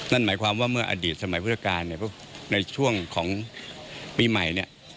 นั่นหมายความว่าเนี่ยอดีตสมัยพุทธกาลในช่วงของปีใหม่